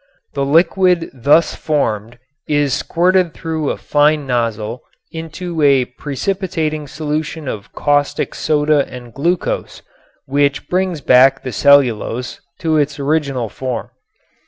The liquid thus formed is squirted through a fine nozzle into a precipitating solution of caustic soda and glucose, which brings back the cellulose to its original form.